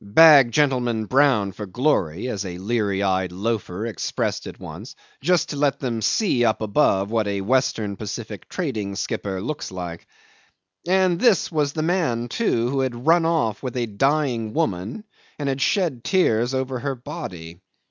... "Bag Gentleman Brown for Glory" as a leery eyed loafer expressed it once "just to let them see up above what a Western Pacific trading skipper looks like." And this was the man, too, who had run off with a dying woman, and had shed tears over her body.